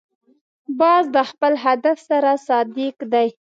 باز د خپل هدف سره صادق دی